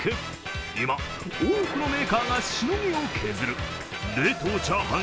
今、多くのメーカーがしのぎを削る冷凍チャーハン